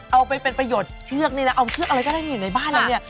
เอาไปเป็นประโยชน์เชือกนี่นะเอาเชือกอะไรก็ได้นี่อยู่ในบ้านเราเนี่ย